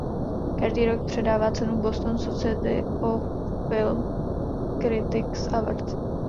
Každý rok předává cenu "Boston Society of Film Critics Awards".